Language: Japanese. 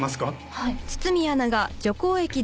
はい。